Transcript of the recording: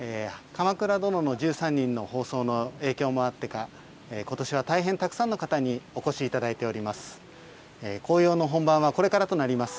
鎌倉殿の１３人の放送の影響もあってか、ことしはたくさんの方にお越しいただいています。